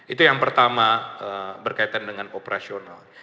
itu yang pertama berkaitan dengan operasional